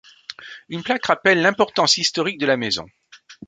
Une plaque rappelle l'importance historique de la maison.